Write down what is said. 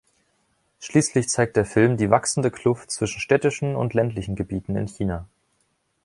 Schließlich zeigt der Film die wachsende Kluft zwischen städtischen und ländlichen Gebieten in China.